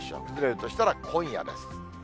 崩れるとしたら今夜です。